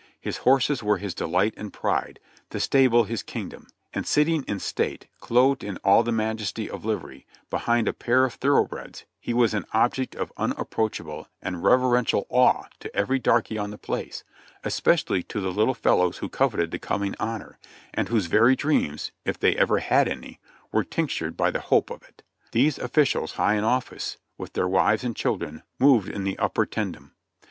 His horses were his delight and pride ; the stable his king dom; and sitting in state, clothed in all the majesty of livery, behind a pair of thoroughbreds, he was an object of unapproach able and reverential awe to every darky on the place, especially to the little fellows who coveted the coming honor, and whose very dreams, if they ever had any, were tinctured by the hope of it. These officials, high in office, with their wives and children, moved in the upper tendom.